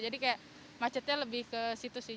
jadi kayak macetnya lebih ke situ sih